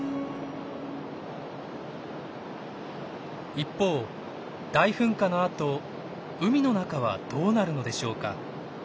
一方大噴火のあと海の中はどうなるのでしょうか。